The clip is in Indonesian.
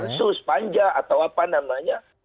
pansus panja atau apa namanya